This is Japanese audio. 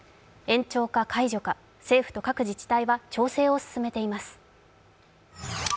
延長か解除か、政府と各自治体は調整を進めています。